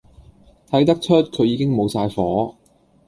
睇得出佢已經無晒火